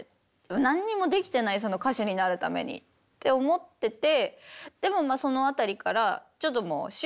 何にもできてない歌手になるために」って思っててでもその辺りからちょっともう週７はやめようと。